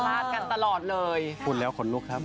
พาดกันตลอดเลยเป็นแหละคนลุกครับ